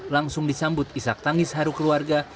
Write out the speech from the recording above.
langsung disambut isak tangis haru keluarga